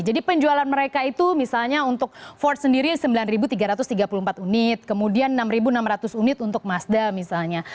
jadi penjualan mereka itu misalnya untuk ford sendiri sembilan tiga ratus tiga puluh empat unit kemudian enam enam ratus unit untuk mazda misalnya